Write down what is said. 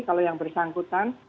kalau yang bersangkutan